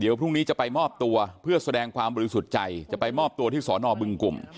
เดี๋ยวพรุ่งนี้จะไปมอบตัวเพื่อแสดงความบริสุทธิ์ใจจะไปมอบตัวที่สอนอบึงกลุ่ม